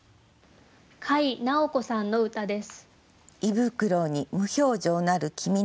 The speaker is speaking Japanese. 甲斐直子さんの歌です。